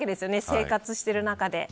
生活してる中で。